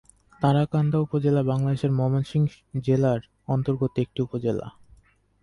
তারাকান্দা উপজেলা বাংলাদেশের ময়মনসিংহ জেলার অন্তর্গত একটি উপজেলা।